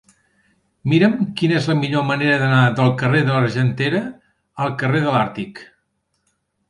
Mira'm quina és la millor manera d'anar del carrer de l'Argentera al carrer de l'Àrtic.